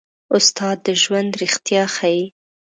استاد د ژوند رښتیا ښيي.